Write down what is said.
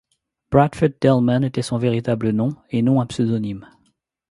Bradford Dillman était son véritable nom et non un pseudonyme.